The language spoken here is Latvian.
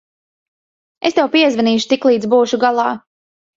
Es tev piezvanīšu, tiklīdz būšu galā.